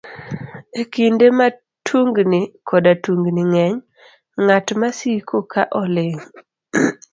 E kinde ma tungni koda tungni ng'eny, ng'at masiko ka oling'